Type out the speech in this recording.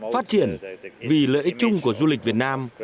phát triển vì lợi ích chung của du lịch việt nam